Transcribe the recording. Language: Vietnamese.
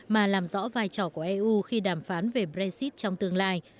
mà làm rõ vai trò của eu khi đàm phán về brexit trong tương lai